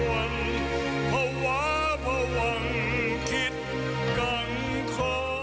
ไม่เล่รวรภาวะพวงคิดกังคล